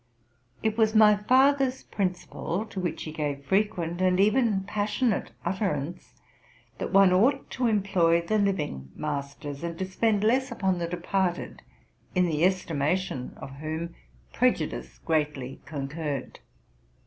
It was my father's principle, to which he gave frequent and even passionate utterance, that one ought to employ the living masters, and to spend less upon the departed, in the estimation of whom prejudice greatly concurred.